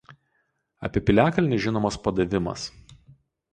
Apie piliakalnį žinomas padavimas.